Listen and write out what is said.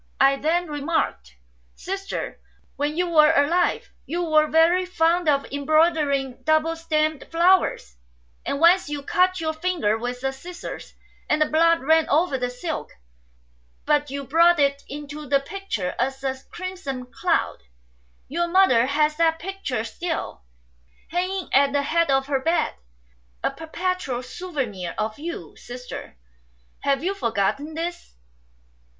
I then remarked, ' Sister, when you were alive you were very fond of embroidering double stemmed flowers ; and once you cut your finger with the scissors, and the blood ran over the silk, but you brought it into the picture as a crimson cloud. Your mother has that picture still, hanging at the head of her bed, a perpetual souvenir of you. Sister, have you forgotten this